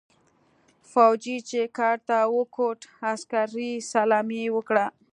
فوجي چې کارت ته وکوت عسکري سلام يې وکړ.